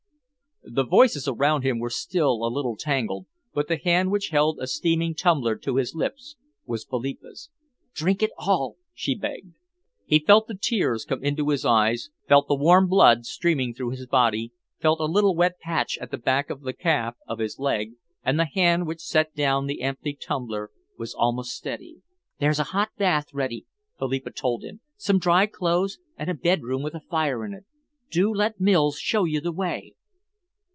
The voices around him were still a little tangled, but the hand which held a steaming tumbler to his lips was Philippa's. "Drink it all," she begged. He felt the tears come into his eyes, felt the warm blood streaming through his body, felt a little wet patch at the back of the calf of his leg, and the hand which set down the empty tumbler was almost steady. "There's a hot bath ready," Philippa told him; "some dry clothes, and a bedroom with a fire in. Do let Mills show you the way."